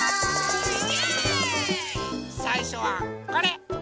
さいしょはこれ！